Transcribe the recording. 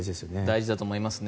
大事だと思いますね。